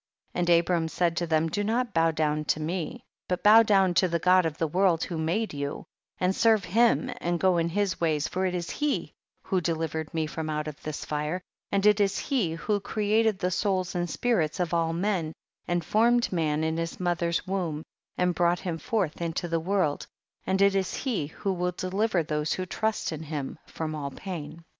38. And Abram sakl to them, do not bow down to me but bow down to the God of the world who made you, and serve him and go in his ways for it is he who delivered me from out of this fire, and it is he who created the souls and spirits of all men, and formed man in his mother's womb, and brought him forth into the world, and it is he who will de liver tliose who trust in him from all pain.